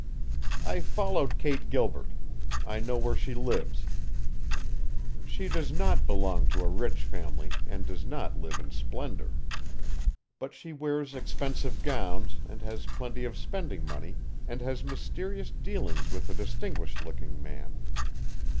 "I followed Kate Gilbert. I know where she lives. She does not belong to a rich family and does not live in splendor. But she wears expensive gowns and has plenty of spending money, and has mysterious dealings with a distinguished looking man.